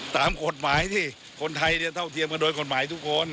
ตามกฎหมายสิคนไทยเนี่ยเท่าเทียมกันโดยกฎหมายทุกคน